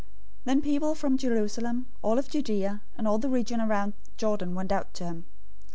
003:005 Then people from Jerusalem, all of Judea, and all the region around the Jordan went out to him.